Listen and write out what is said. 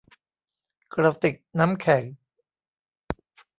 กระติกน้ำแข็ง